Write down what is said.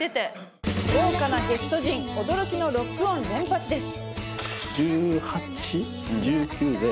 豪華なゲスト陣驚きのロックオン連発です。